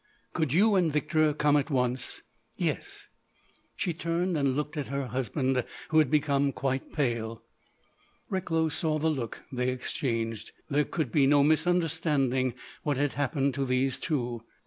"Could you and Victor come at once?" "Yes." She turned and looked at her husband, who had become quite pale. Recklow saw the look they exchanged. There could be no misunderstanding what had happened to these two.